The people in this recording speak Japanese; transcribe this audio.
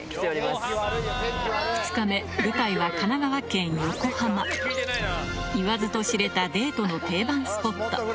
２日目舞台は神奈川県横浜言わずと知れたデートの定番スポット